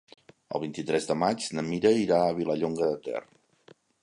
El vint-i-tres de maig na Mira irà a Vilallonga de Ter.